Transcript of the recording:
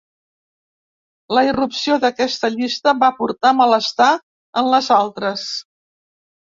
La irrupció d’aquesta llista va portar malestar en les altres.